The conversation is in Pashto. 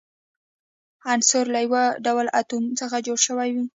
عنصر له یو ډول اتومونو څخه جوړ شوی وي.